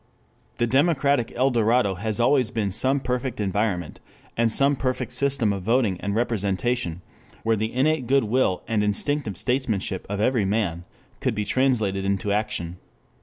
The democratic El Dorado has always been some perfect environment, and some perfect system of voting and representation, where the innate good will and instinctive statesmanship of every man could be translated into action.